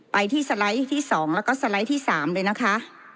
ไปที่สไลด์ที่๒แล้วก็สไลด์ที่๓เลยนะคะ